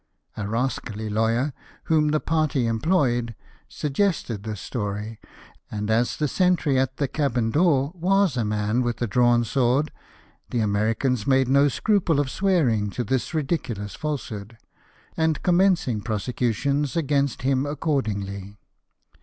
A rascally lawyer, whom the party employed, suggested this story ; and as the sentry at the cabin door was a man with a drawn sword, the Americans made no scruple of swearing to this ridiculous falsehood, and com mencing prosecutions against him accordingly.